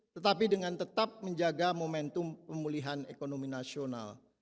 tetapi dengan tetap menjaga momentum pemulihan ekonomi nasional